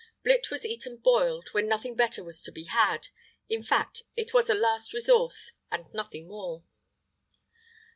[IX 80] Blit was eaten boiled, when nothing better was to be had. In fact, it was a last resource and nothing more.